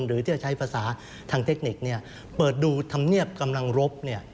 หรือที่จะใช้ภาษาทางเทคนิคเปิดดูธรรมเนียบกำลังรบ